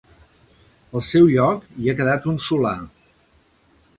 Al seu lloc hi ha quedat un solar.